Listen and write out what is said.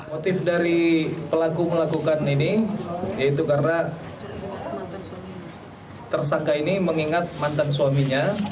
motif dari pelaku melakukan ini yaitu karena tersangka ini mengingat mantan suaminya